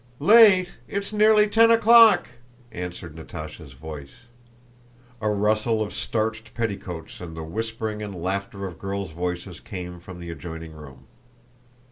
"Late! It's nearly ten o'clock," answered Natásha's voice. A rustle of starched petticoats and the whispering and laughter of girls' voices came from the adjoining room.